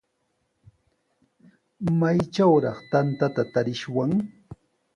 ¿Maytrawraq tantata tarishwan?